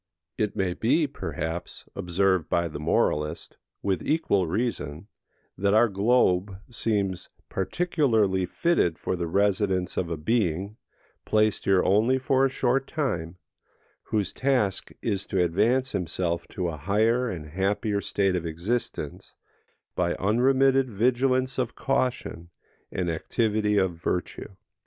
It may be, perhaps, observed by the moralist, with equal reason, that our globe seems particularly fitted for the residence of a being, placed here only for a short time, whose task is to advance himself to a higher and happier state of existence, by unremitted vigilance of caution, and activity of virtue.